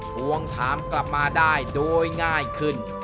ทวงถามกลับมาได้โดยง่ายขึ้น